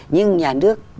nhưng nhà nước